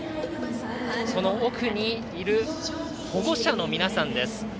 その奥にいる保護者の皆さんです。